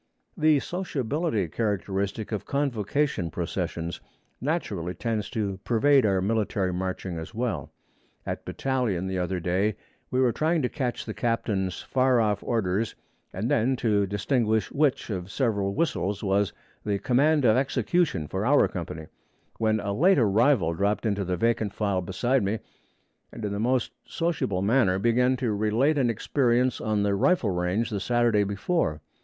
The sociability characteristic of convocation processions naturally tends to pervade our military marching as well. At battalion the other day we were trying to catch the captain's far off orders and then to distinguish which of several whistles was the 'command of execution' for our company, when a late arrival dropped into the vacant file beside me, and in the most sociable manner began to relate an experience on the rifle range the Saturday before.